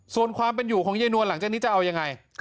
ส่วนความเป็นอยู่ของยายนวลหลังจากนี้จะเอายังไง